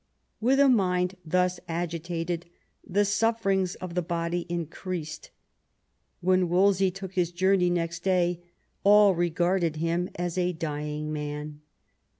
With a mind thus agitated the sufferings of the body increased. When Wolsey took his journey next day all regarded him as a dying man.